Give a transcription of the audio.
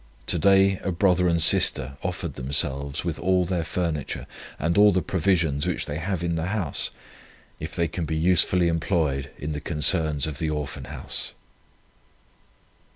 To day a brother and sister offered themselves, with all their furniture, and all the provisions which they have in the house, if they can be usefully employed in the concerns of the Orphan House."